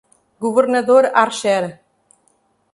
Governador Archer